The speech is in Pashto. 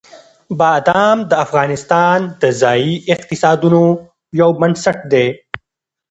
بادام د افغانستان د ځایي اقتصادونو یو بنسټ دی.